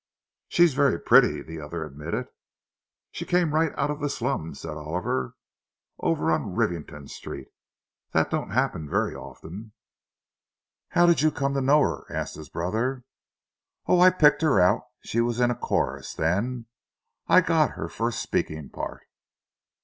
"She's very pretty," the other admitted. "She came right out of the slums," said Oliver—"over on Rivington Street. That don't happen very often." "How did you come to know her?" asked his brother. "Oh, I picked her out. She was in a chorus, then. I got her first speaking part."